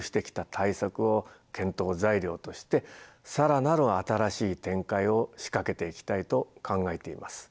材料として更なる新しい展開を仕掛けていきたいと考えています。